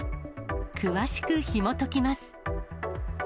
詳しくひもときます。